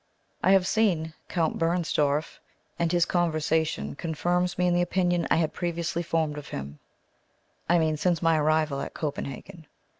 I have seen Count Bernstorff; and his conversation confirms me in the opinion I had previously formed of him; I mean, since my arrival at Copenhagen.